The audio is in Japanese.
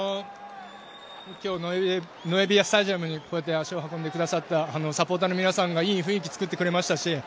今日、ノエビアスタジアムにこうやって足を運んでくださったサポーターの皆さんがいい雰囲気を作ってくれましたし。